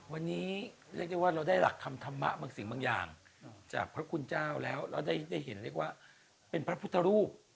วันนี้เรียกได้ว่าเราได้หลักธรรมธรรมะบางสิ่งบางอย่างจากพระคุณเจ้าแล้วแล้วได้เห็นเรียกว่าเป็นพระพุทธรูป